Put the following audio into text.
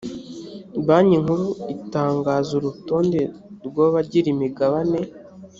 banki nkuru itangaza urutonde rw abagira imigabane